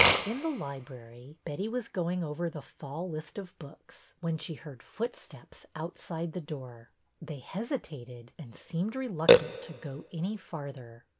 In the library Betty was going over the fall lists of books when she heard footsteps outside the door. They hesitated, and seemed reluctant to go any farther.